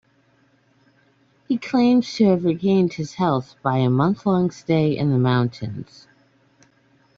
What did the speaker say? He claims to have regained his health by a month-long stay in the mountains.